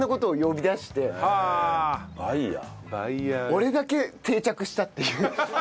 俺だけ定着したっていう。